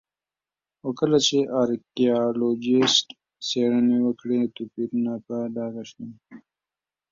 خو کله چې ارکيالوجېسټ څېړنې وکړې توپیرونه په ډاګه شول